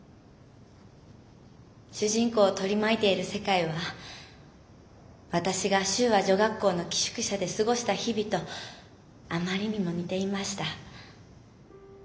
主人公を取り巻いている世界は私が修和女学校の寄宿舎で過ごした日々とあまりにも似ていました。